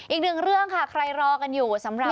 อีกหนึ่งเรื่องค่ะใครรอกันอยู่สำหรับ